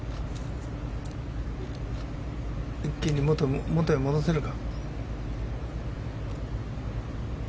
一気にもとへ戻せるか。